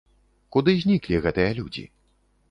Куды зніклі гэтыя людзі?